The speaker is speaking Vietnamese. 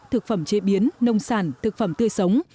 thực phẩm chế biến nông sản thực phẩm tươi sống